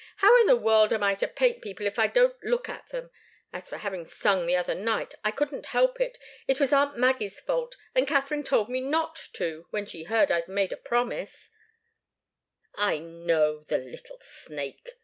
How in the world am I to paint people if I don't look at them? As for having sung the other night, I couldn't help it. It was aunt Maggie's fault, and Katharine told me not to, when she heard I'd made a promise " "I know the little snake!"